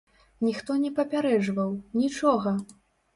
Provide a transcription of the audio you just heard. Ніхто не папярэджваў, нічога!